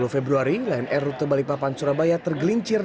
dua puluh februari lion air rute balikpapan surabaya tergelincir